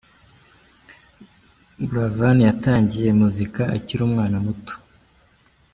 Buravan yatangiye muzika akiri umwana muto.